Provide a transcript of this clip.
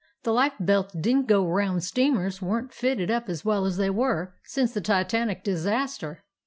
The life belts didn't go around — steamers were n't fitted up as well as they are since the Titanic disaster.